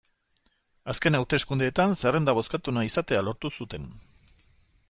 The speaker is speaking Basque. Azken hauteskundeetan zerrenda bozkatuena izatea lortu zuten.